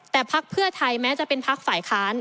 แต่พักเพื่อไทยแม้จะเป็นพักฝ่ายค้าน